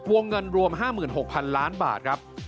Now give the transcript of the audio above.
วงเงินรวม๕๖๐๐๐ล้านบาทครับ